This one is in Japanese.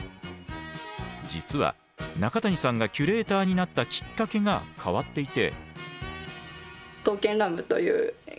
実は中谷さんがキュレーターになったきっかけが変わっていて。